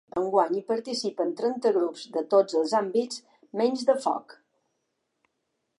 Enguany hi participen trenta grups de tots els àmbits menys de foc.